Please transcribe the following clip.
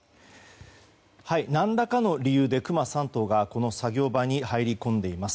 何らかの理由でクマ３頭がこの作業場に入り込んでいます。